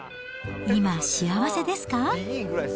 今、幸せですか？